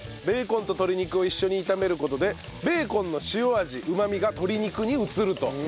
ベーコンと鶏肉を一緒に炒める事でベーコンの塩味うまみが鶏肉にうつると。